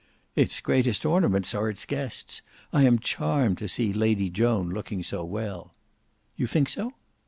"Its greatest ornaments are its guests. I am charmed to see Lady Joan looking so well." "You think so?"